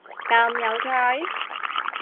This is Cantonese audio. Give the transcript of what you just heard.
咁有趣？！